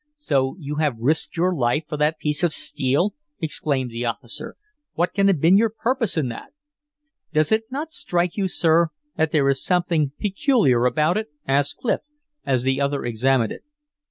"So you have risked your life for that piece of steel!" exclaimed the officer. "What can have been your purpose in that?" "Does it not strike you, sir, that there is something peculiar about it?" asked Clif, as the other examined it.